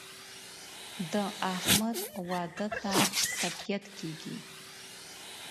د احمد واده ته طبیعت کېږي.